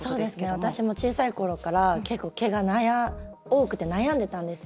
私も小さいころから結構、毛が多くて悩んでたんですよ。